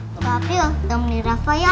kamu takut kapril temenin rafa ya